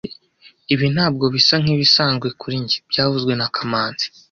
Ibi ntabwo bisa nkibisanzwe kuri njye byavuzwe na kamanzi